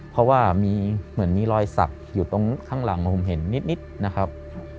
เพราะว่ามีเหมือนมีรอยสักอยู่ตรงข้างหลังผมเห็นนิดนะครับ